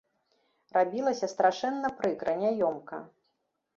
Рабілася страшэнна прыкра, няёмка.